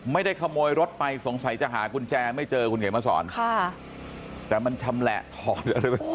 ไม่ได้ขโมยรถไปสงสัยจะหากุญแจไม่เจอคุณอย่างเมื่อสอนค่ะแต่มันชำแหละถอด